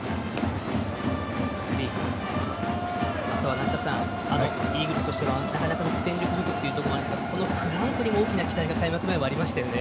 梨田さん、イーグルスとしてはなかなか得点力不足というのがありますがこのフランコにも大きな期待が開幕前はありましたよね。